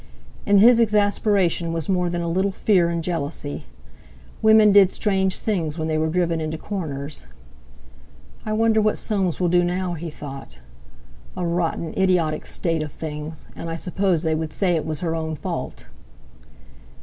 In his exasperation was more than a little fear and jealousy. Women did strange things when they were driven into corners. "I wonder what Soames will do now!" he thought. "A rotten, idiotic state of things! And I suppose they would say it was her own fault."